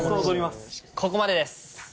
ここまでです！